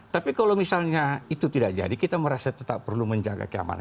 tapi kalau misalnya itu tidak jadi kita merasa tetap perlu menjaga keamanan